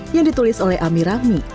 yang ditulis oleh ami rahmi